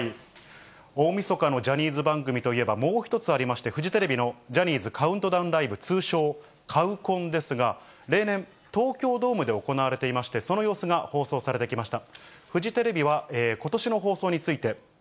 大みそかのジャニーズ番組といえばもう一つありまして、フジテレビのジャニーズカウントダウンライブ、通称カウコンですが、例年、東京ドームで行われていまして、その様子が放送されてきました。